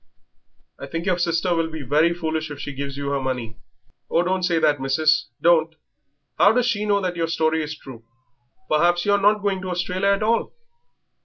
"I think your sister will be very foolish if she gives you her money." "Oh, don't say that, missis, don't." "How does she know that your story is true? Perhaps you are not going to Australia at all."